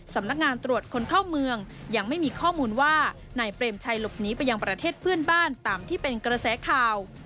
สำนักงานตรวจคนเข้าเมืองยังไม่มีข้อมูลว่านายเปรมชัยหลบหนีไปยังประเทศเพื่อนบ้านตามที่เป็นกระแสข่าว